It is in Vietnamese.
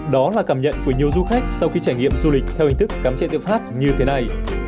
đó là cảm nhận của nhiều du khách sau khi trải nghiệm du lịch theo hình thức cắm chạy tự phát như thế này